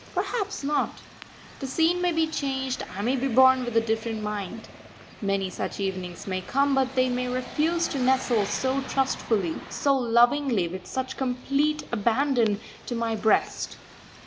Perhaps not. The scene may be changed; I may be born with a different mind. Many such evenings may come, but they may refuse to nestle so trustfully, so lovingly, with such complete abandon, to my breast.